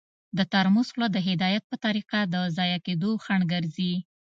د ترموز خوله د هدایت په طریقه د ضایع کیدو خنډ ګرځي.